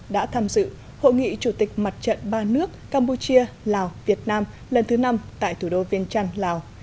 đã tham dự hội nghị chủ tịch mặt trận ba nước campuchia lào việt nam lần thứ năm tại thủ đô viên trăn lào